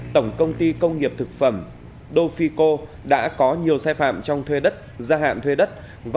tổng công ty công nghiệp thực phẩm dofico đã có nhiều sai phạm trong thuê đất gia hạn thuê đất